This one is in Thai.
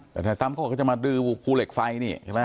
แต่ทนายตั้มก็จะมาดื้อครูเหล็กไฟเนี่ย